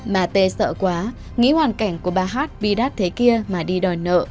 bà tê sợ quá nghĩ hoàn cảnh của bà hát vi đát thế kia mà đi đòi nợ